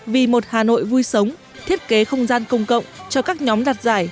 vì một hà nội vui sống thiết kế không gian công cộng cho các nhóm đặt giải